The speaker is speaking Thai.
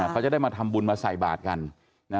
เขาจะได้มาทำบุญมาใส่บาทกัน